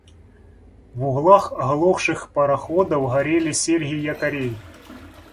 В углах оглохших пароходов горели серьги якорей.